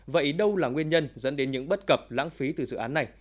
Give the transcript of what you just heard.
vậy đâu là nguyên nhân dẫn đến những bất cập lãng phí từ dự án này